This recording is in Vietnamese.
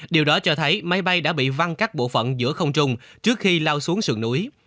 điều đó cho thấy máy bay đã bị văng các bộ phận giữa không trùng trước khi lao xuống sườn núi